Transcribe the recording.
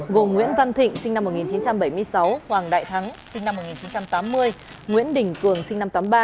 gồm nguyễn văn thịnh sinh năm một nghìn chín trăm bảy mươi sáu hoàng đại thắng sinh năm một nghìn chín trăm tám mươi nguyễn đình cường sinh năm một nghìn chín trăm tám mươi ba